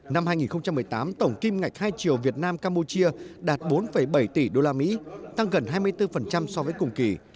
năm hai nghìn một mươi tám tổng kim ngạch hai triệu việt nam campuchia đạt bốn bảy tỷ usd tăng gần hai mươi bốn so với cùng kỳ